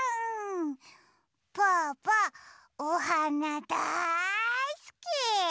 ぽぅぽおはなだいすき。